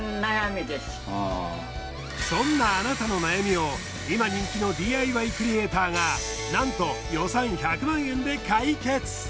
そんなあなたの悩みを今人気のＤＩＹクリエイターがなんと予算１００万円で解決。